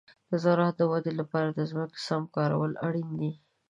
د زراعت د ودې لپاره د ځمکې سم کارول اړین دي.